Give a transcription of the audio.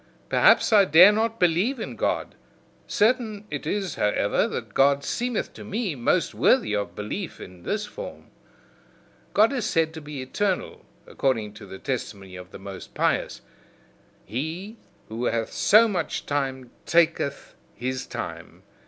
Perhaps I dare not believe in God: certain it is however, that God seemeth to me most worthy of belief in this form. God is said to be eternal, according to the testimony of the most pious: he who hath so much time taketh his time.